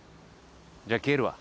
じゃあ帰るわ。